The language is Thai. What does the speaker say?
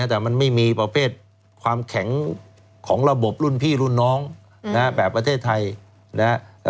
แต่มันไม่มีประเภทความแข็งของระบบรุ่นพี่รุ่นน้องแบบประเทศไทยนะฮะ